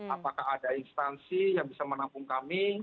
apakah ada instansi yang bisa menampung kami